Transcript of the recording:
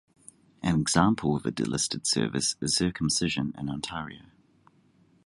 An example of a delisted service is circumcision in Ontario.